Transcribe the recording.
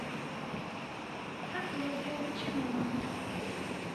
Tambula ojje obikime wano.